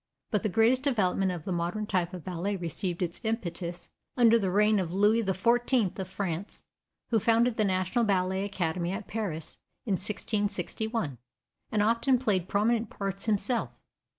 But the greatest development of the modern type of ballet received its impetus under the reign of Louis XIV of France, who founded the national ballet academy at Paris in 1661, and often played prominent parts himself.